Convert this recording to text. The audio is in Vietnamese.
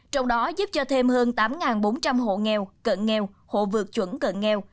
trong đó giúp cho thêm hơn tám bốn trăm linh hộ nghèo cận nghèo hộ vượt chuẩn cận nghèo